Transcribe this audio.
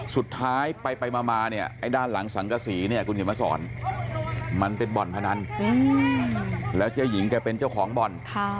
สุดท้ายไปมาเนี่ยไอ้ด้านหลังสังกษีเนี่ยคุณเขียนมาสอนมันเป็นบ่อนพนันแล้วเจ๊หญิงแกเป็นเจ้าของบ่อน